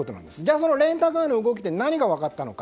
そのレンタカーの動きで何が分かったのか。